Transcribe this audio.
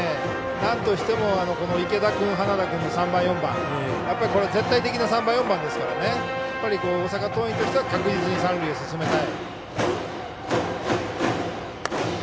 なんとしても池田君、花田君の３番、４番これは絶対的な３番、４番ですから大阪桐蔭としては確実に三塁へ進めたい。